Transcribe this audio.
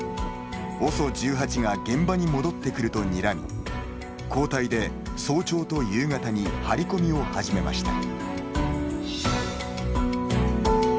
ＯＳＯ１８が現場に戻ってくるとにらみ交代で、早朝と夕方に張り込みを始めました。